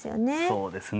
そうですね。